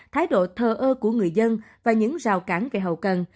thái độ thờ ơ của người dân và những rào cản về hậu cần